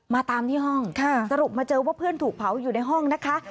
ตามที่ห้องสรุปมาเจอว่าเพื่อนถูกเผาอยู่ในห้องนะคะ